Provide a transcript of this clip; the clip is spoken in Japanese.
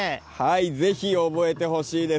ぜひ、覚えてほしいです。